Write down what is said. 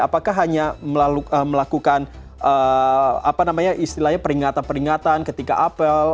apakah hanya melakukan apa namanya istilahnya peringatan peringatan ketika apel